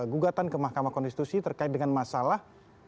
gugatan ke mahkamah konstitusi terkait dengan masalah